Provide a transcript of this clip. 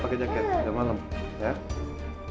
udah malem ya